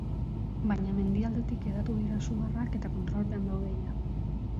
Baina mendialdetik hedatu dira sugarrak eta kontrolpean daude jada.